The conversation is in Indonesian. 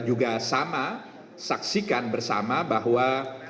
juga sama saksikan bersama bahwa